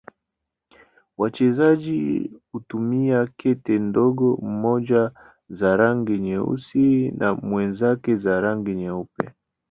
Wachezaji hutumia kete ndogo, mmoja za rangi nyeusi na mwenzake za rangi nyeupe.